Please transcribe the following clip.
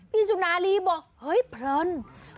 สุนารีบอกเฮ้ยเพลิน